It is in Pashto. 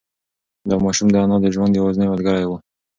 دا ماشوم د انا د ژوند یوازینۍ ملګری و.